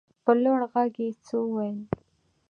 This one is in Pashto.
په لوړ غږ يې څه وويل.